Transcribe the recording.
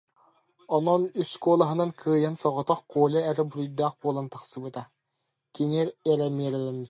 Онон үс куолаһынан кыайан соҕотох Коля эрэ буруйдаах буолан тахсыбыта, кини эрэ миэрэлэммитэ